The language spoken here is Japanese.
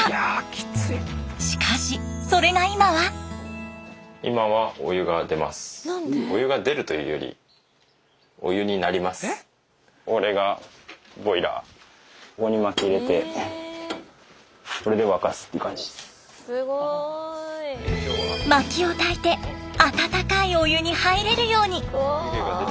しかしそれが今は。まきをたいて温かいお湯に入れるように。